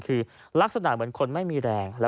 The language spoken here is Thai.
คือลักษณะเหมือนคนไม่มีแรง